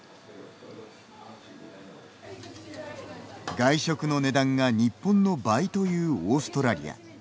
外食の値段が日本の倍というオーストラリア。